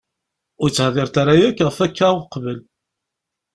Ur yi-d-tehdireḍ ara yakk ɣef akka uqbel.